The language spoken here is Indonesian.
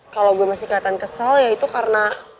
kalau gue masih kelihatan kesal ya itu karena